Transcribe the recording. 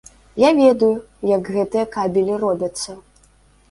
Я ведаю, як гэтыя кабелі робяцца.